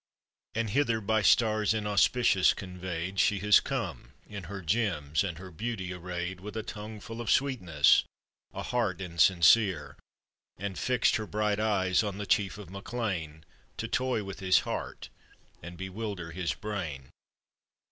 "And hither by stars inauspicious convey'd, She has corne, in her gems and her beauty array'd, With a tongue full of sweetness — a heart insincere, And fixed her bright eyes on the chief of MacLean. To toy with his heart, and bewilder his brain.